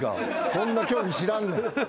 こんな競技知らんねん。